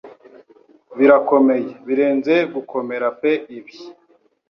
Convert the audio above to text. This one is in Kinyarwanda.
Birakomeye birenze gukomera pe ibi